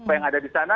yang ada di sana